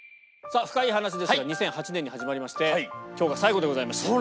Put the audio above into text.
さあ、深イイ話ですが、２００８年に始まりまして、きょうが最後でございます。